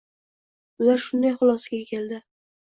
Ular shunday hulosaga keldi.